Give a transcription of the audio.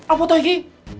apa tuh ini